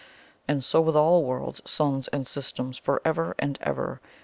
And so with all worlds, suns and systems, for ever and ever.